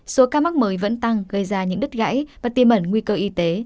số ca mắc mới vẫn tăng gây ra những đứt gãy và tiêm ẩn nguy cơ y tế